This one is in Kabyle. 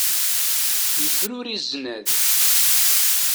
Yefruri zznad.